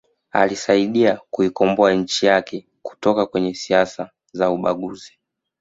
Alisaidia kuikomboa nchi yake kutoka kwenye siasa za ubaguzi